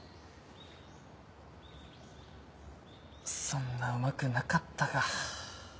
そんなうまくなかったか。